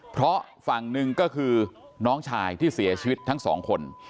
เพราะฝั่งหนึ่งก็คือน้องชายที่เสียชีวิตทั้งสองคน